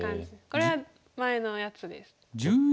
これは前のやつです。